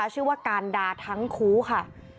ชื่อว่าการดาทั้งคู่ค่ะ